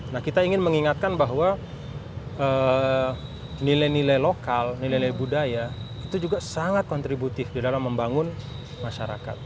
nah kita ingin mengingatkan bahwa nilai nilai lokal nilai nilai budaya itu juga sangat kontributif di dalam membangun masyarakat